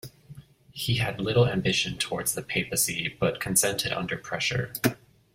He had little ambition towards the papacy, but consented under pressure.